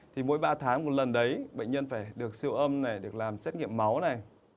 thì mỗi ba tháng một lần đấy bệnh nhân phải được siêu âm này được làm xét nghiệm máu này